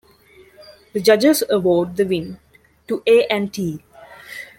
The judges award the win to A and T.